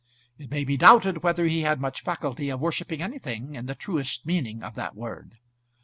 It may be doubted whether he had much faculty of worshipping anything in the truest meaning of that word.